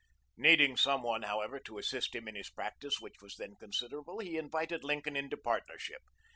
] Needing some one, however, to assist him in his practice, which was then considerable, he invited Lincoln into partnership.